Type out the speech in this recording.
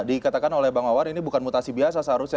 dikatakan oleh bang mawar ini bukan mutasi biasa seharusnya